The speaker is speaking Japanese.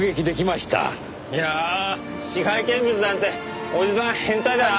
いやあ死骸見物なんておじさん変態だな。